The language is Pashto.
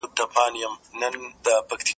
بریالۍ ټولنه تل قانون مني.